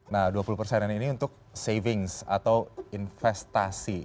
nah dua puluh persenan ini untuk savings atau investasi